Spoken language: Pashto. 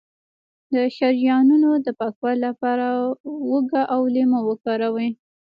د شریانونو د پاکوالي لپاره هوږه او لیمو وکاروئ